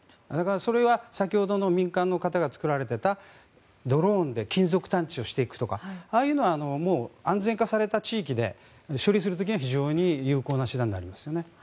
それは先ほどの民間の方が作られていたドローンで金属探知をしていくとかああいうのは安全化された地域で処理する時には非常に有効な手段でありますよね。